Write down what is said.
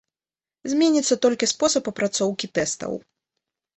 Зменіцца толькі спосаб апрацоўкі тэстаў.